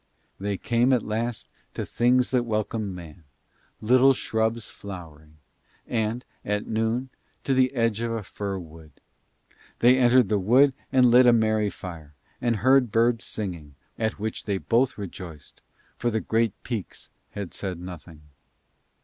They came at last to things that welcome man, little shrubs flowering, and at noon to the edge of a fir wood. They entered the wood and lit a merry fire, and heard birds singing, at which they both rejoiced, for the great peaks had said nothing.